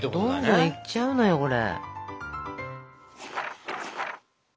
どんどんいっちゃうのよこれ。